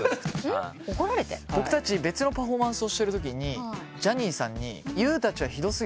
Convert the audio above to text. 僕たち別のパフォーマンスをしてるときにジャニーさんに「ＹＯＵたちはひど過ぎる。